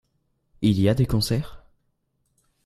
Il y a des concerts ?